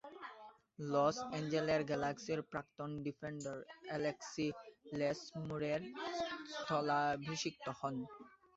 Loss Angeles গ্যালাক্সির প্রাক্তন defender Alexi Lalas মুরের স্থলাভিষিক্ত হন।